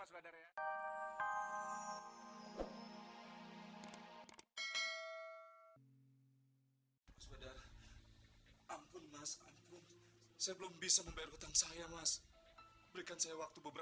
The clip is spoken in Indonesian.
pintu pintu ini bisa lancar